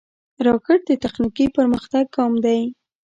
راکټ د تخنیکي پرمختګ ګام دی